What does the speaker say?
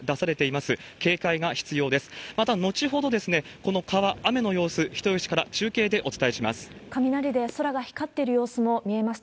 また後ほど、この川、雨の様子、人吉市から中継でお伝えします。